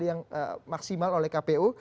yang maksimal oleh kpu